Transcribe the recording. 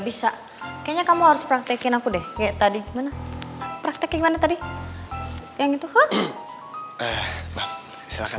bisa kayaknya kamu harus praktekin aku deh kayak tadi gimana praktek gimana tadi yang itu silakan